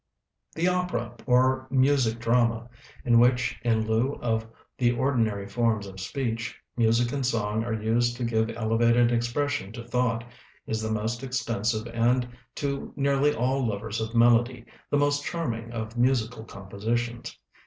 The opera, or music drama, in which, in lieu of the ordinary forms of speech, music and song are used to give elevated expression to thought, is the most extensive, and, to nearly all lovers of melody, the most charming, of musical compositions.